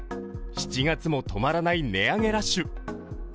７月も止まらない値上げラッシュ。